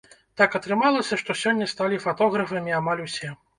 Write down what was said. Так атрымалася, што сёння сталі фатографамі амаль усе.